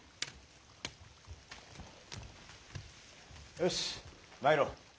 よし参ろう。